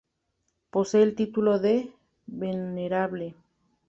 Posee el título de ""Venerable"".